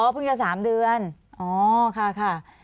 เพิ่งจะ๓เดือนอ๋อค่ะ